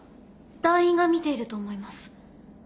団員が見ていると思います。